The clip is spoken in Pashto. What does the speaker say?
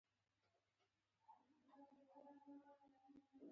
ټولنیزې رسنۍ د عامه پوهاوي مهمې وسیلې دي.